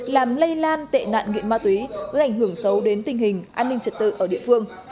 làm lây lan tệ nạn nghiện ma túy gây ảnh hưởng xấu đến tình hình an ninh trật tự ở địa phương